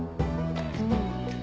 うん。